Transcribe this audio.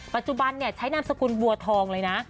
ปัจจุบันใช้นามสกุลบัวทองเลยนะ